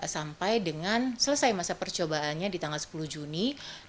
sampai dengan selesai masa percobaannya di tanggal sepuluh juni dua ribu dua puluh